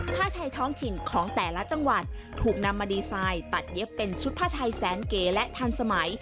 ผ้าไทยท้องถิ่นของแต่ละจังหวัดถูกนำมาดีไซน์ตัดเย็บเป็นชุดผ้าไทยแสนเก๋และทันสมัย